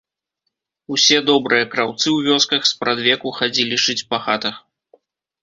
Усе добрыя краўцы ў вёсках спрадвеку хадзілі шыць па хатах.